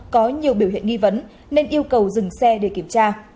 có nhiều biểu hiện nghi vấn nên yêu cầu dừng xe để kiểm tra